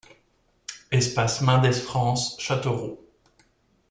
Espace Mendes France, Châteauroux